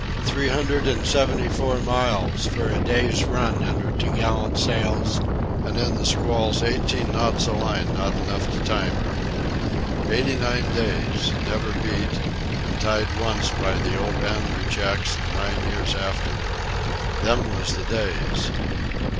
Three hundred an' seventy four miles for a day's run under t'gallantsails, an' in the squalls eighteen knots o' line not enough to time her. Eighty nine days—never beat, an' tied once by the old Andrew Jackson nine years afterwards. Them was the days!"